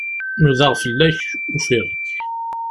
Nudaɣ fell-ak, ufiɣ-k.